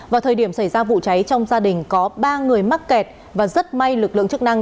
vào thời điểm xảy ra vụ cháy trong gia đình có ba người mắc kẹt và rất may lực lượng chức năng